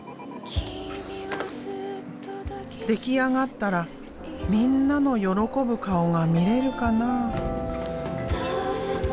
出来上がったらみんなの喜ぶ顔が見れるかな？